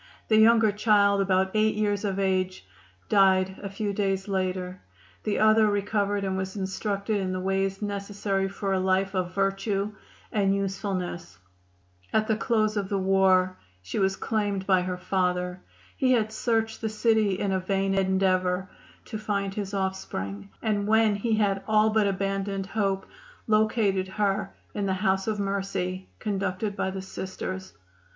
The younger child, about 8 years of age, died a few days later. The other recovered and was instructed in the ways necessary for a life of virtue and usefulness. At the close of the war she was claimed by her father. He had searched the city in a vain endeavor to find his offspring, and when he had all but abandoned hope located her in the "House of Mercy," conducted by the Sisters.